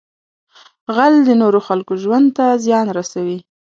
غل د نورو خلکو ژوند ته زیان رسوي